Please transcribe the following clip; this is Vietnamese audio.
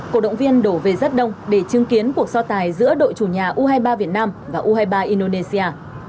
cổ động viên đổ về rất đông để chứng kiến cuộc so tài giữa đội chủ nhà u hai mươi ba việt nam và u hai mươi ba indonesia